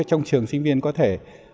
ví dụ trong trường sinh viên có thể